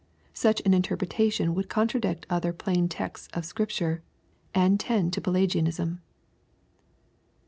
Such an interpretation would contradict other plain texts of Scripture, and tend to Pelagianism.